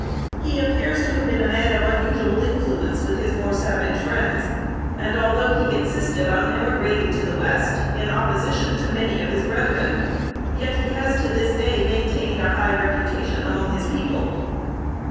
He appears to have been a man of unusual influence with his more savage friends; and although he insisted on emigrating to the West, in opposition to many of his brethren, yet he has to this day maintained a high reputation among his people.